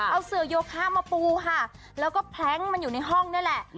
เอาเสือโยคะมาปูค่ะแล้วก็แพล้งมันอยู่ในห้องนี่แหละ